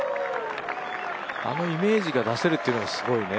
あのイメージが出せるというのがすごいね。